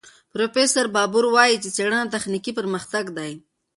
پروفیسور باربور وايي، څېړنه تخنیکي پرمختګ دی.